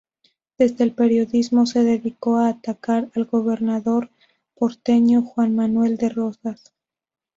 Desde el periodismo se dedicó a atacar al gobernador porteño Juan Manuel de Rosas.